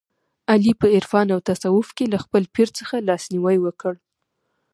علي په عرفان او تصوف کې له خپل پیر څخه لاس نیوی وکړ.